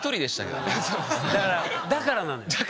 だからだからなのよ。